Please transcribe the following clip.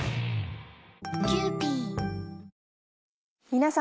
皆様。